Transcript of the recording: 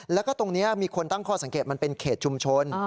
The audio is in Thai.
แล้วก็ตรงนี้มีคนตั้งข้อสังเกตมันเป็นเขตชุมชน